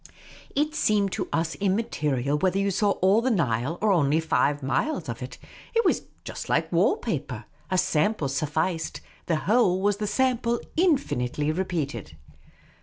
It seemed to us im material whether you saw all the Nile or only five miles of it. It was just like wall paper. A sample sufficed ; the whole was the sample infinitely repeated.